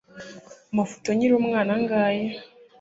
amafoto nkiri umwana ngaya